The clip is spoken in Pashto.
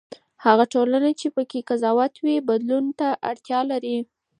هغه ټولنه چې په کې تضاد وي بدلون ته اړتیا لري.